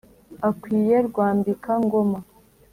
akwiye rwambika-ngoma.